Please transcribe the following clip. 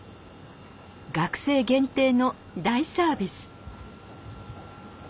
学生限定の大サービス。